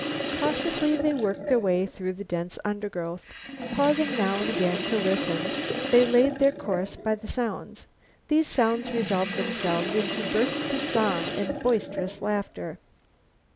Cautiously they worked their way through the dense undergrowth. Pausing now and again to listen, they laid their course by the sounds. These sounds resolved themselves into bursts of song and boisterous laughter.